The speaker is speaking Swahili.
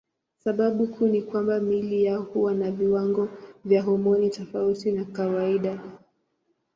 Sababu kuu ni kwamba miili yao huwa na viwango vya homoni tofauti na kawaida.